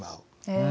へえ。